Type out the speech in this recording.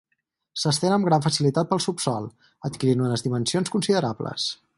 S'estén amb gran facilitat pel subsòl, adquirint unes dimensions considerables.